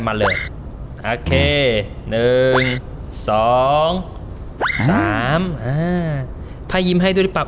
มาเลยอาเคหนึ่งสองสามอ่าพายยิ้มให้ด้วยรึเปล่า